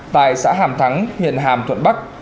tại xã hàm thắng hiện hàm thuận bắc